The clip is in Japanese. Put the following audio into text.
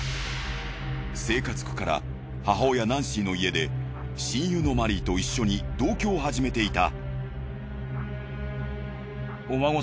生活苦から母親ナンシーの家で親友のマリーと一緒に同居を始めていた。